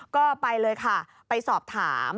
ก็ไปเลยค่ะไปสอบถาม